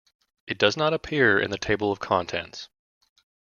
It does not appear in the table of contents.